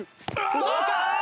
どうか！？